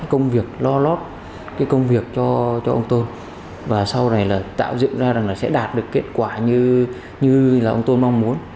nhung đã cắt đứt liên lạc cho ông tôn và sau này là tạo dựng ra là sẽ đạt được kết quả như là ông tôn mong muốn